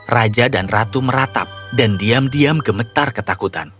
raja dan ratu meratap dan diam diam gemetar ketakutan